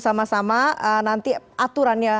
sama sama nanti aturannya